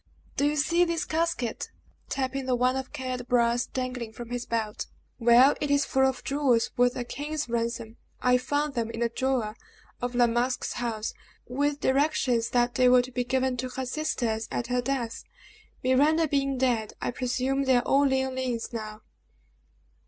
"Do you see this casket?" tapping the one of cared brass dangling from his belt; "well, it is full of jewels worth a king's ransom. I found them in a drawer of La Masque's house, with directions that they were to be given to her sisters at her death. Miranda being dead, I presume they are all Leoline's now."